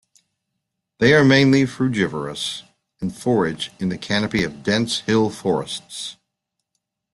They are mainly frugivorous and forage in the canopy of dense hill forests.